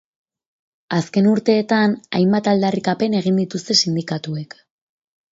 Azken urteetan hainbat aldarrikapen egin dituzte sindikatuek.